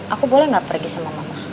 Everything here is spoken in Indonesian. aku boleh nggak pergi sama mama